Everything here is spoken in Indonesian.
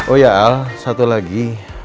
oh ya al satu lagi